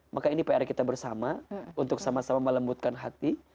maka ini pr kita bersama untuk sama sama melembutkan hati